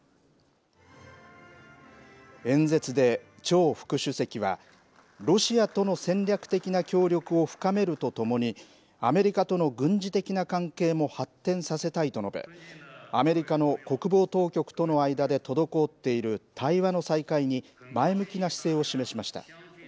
演説で張副主席は、ロシアとの戦略的な協力を深めるとともに、アメリカとの軍事的な関係も発展させたいと述べ、アメリカの国防当局との間で滞っている対話の再開に前向きな姿勢を示しました。